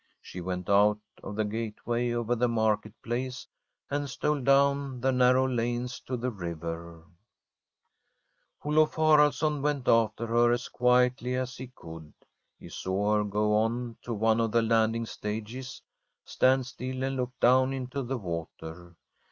She went out of the gateway, o\ er the Market Place, and stole down the narrow lanes to the river. [»6] ASTRID Olaf Haraldsson went after her as quietly as he could. He saw her go on to one of the landing stages, stand still, and look down into the water.